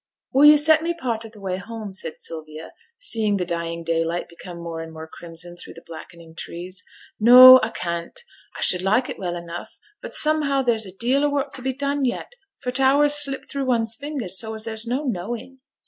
'Will yo' set me part o' t' way home?' said Sylvia, seeing the dying daylight become more and more crimson through the blackening trees. 'No; I can't. A should like it well enough, but somehow, there's a deal o' work to be done yet, for t' hours slip through one's fingers so as there's no knowing.